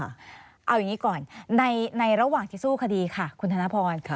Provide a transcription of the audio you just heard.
เอาอย่างนี้ก่อนในระหว่างที่สู้คดีค่ะคุณธนพร